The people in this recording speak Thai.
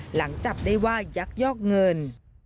หลังจับได้ว่ายักยอกเงิน